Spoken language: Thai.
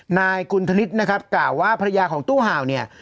นายกุณธนิษฐ์นะครับกล่าวว่าภรรยาของตู้เห่าเนี่ย